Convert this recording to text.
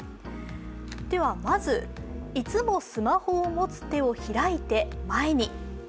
ではまず、いつもスマホを持つ手を開いて前に。